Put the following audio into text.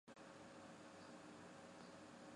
蒋斯千父名蒋祈增生于清朝乾隆四十八年。